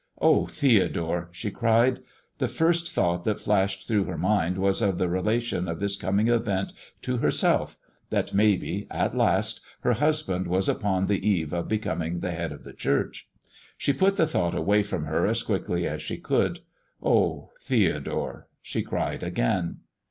"Oh, Theodore!" she cried. The first thought that flashed through her mind was of the relation of this coming event to herself that maybe, at last, her husband was upon the eve of becoming the head of the Church. She put the thought away from her as quickly as she could. "Oh, Theodore!" she cried again.